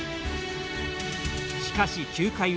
しかし９回裏。